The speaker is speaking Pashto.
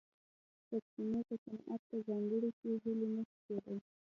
سرچینې که صنعت ته ځانګړې شي هیلې نه شي کېدای.